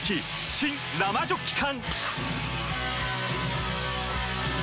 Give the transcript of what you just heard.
新・生ジョッキ缶！